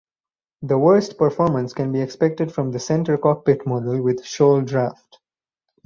The worst performance can be expected from the center cockpit model with shoal draft.